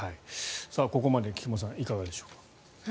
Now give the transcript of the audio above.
ここまで菊間さんいかがでしょう？